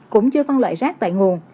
cũng chưa phân loại rác tại nguồn